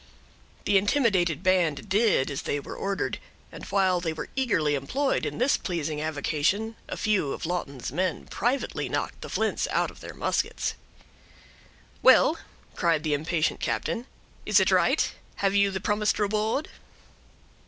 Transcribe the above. The intimidated band did as they were ordered; and while they were eagerly employed in this pleasing avocation, a few of Lawton's men privately knocked the flints out of their muskets. "Well," cried the impatient captain, "is it right? Have you the promised reward?"